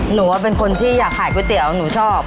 หนูว่าเป็นคนที่อยากขายก๋วยเตี๋ยวหนูชอบ